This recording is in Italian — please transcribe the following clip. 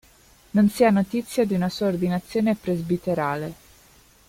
Non si ha notizia di una sua ordinazione presbiterale.